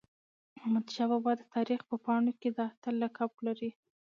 احمدشاه بابا د تاریخ په پاڼو کي د اتل لقب لري.